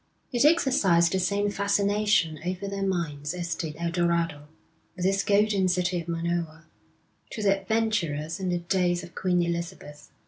It exercised the same fascination over their minds as did El Dorado, with its golden city of Monoa, to the adventurers in the days of Queen Elizabeth.